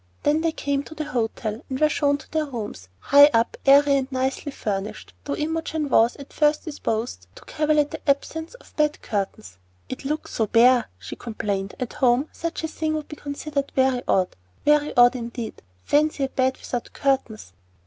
Then they came to the hotel, and were shown to their rooms, high up, airy, and nicely furnished, though Imogen was at first disposed to cavil at the absence of bed curtains. "It looks so bare," she complained. "At home such a thing would be considered very odd, very odd indeed. Fancy a bed without curtains!"